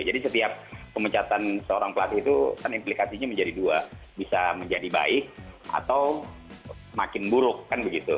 jadi setiap pemecatan seorang pelatih itu kan implikasinya menjadi dua bisa menjadi baik atau makin buruk kan begitu